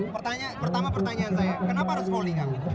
pertama pertanyaan saya kenapa harus poli kang